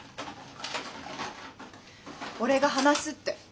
俺が話すって。